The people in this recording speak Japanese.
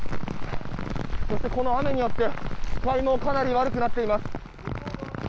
この雨によって視界もかなり悪くなっています。